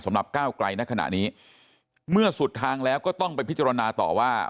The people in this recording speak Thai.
ก้าวไกลในขณะนี้เมื่อสุดทางแล้วก็ต้องไปพิจารณาต่อว่า